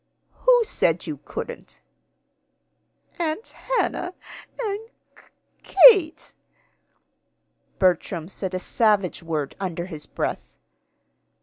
"Who said you couldn't?" "Aunt Hannah and K Kate." Bertram said a savage word under his breath.